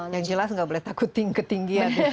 yang jelas nggak boleh takut tinggi tinggi